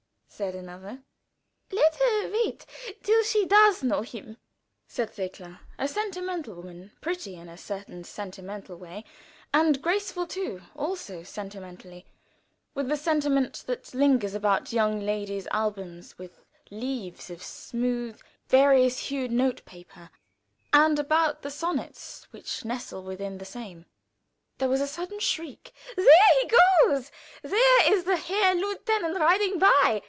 said another. "Let her wait till she does know him," said Thekla, a sentimental young woman, pretty in a certain sentimental way, and graceful too also sentimentally with the sentiment that lingers about young ladies' albums with leaves of smooth, various hued note paper, and about the sonnets which nestle within the same. There was a sudden shriek: "There he goes! There is the Herr Lieutenant riding by.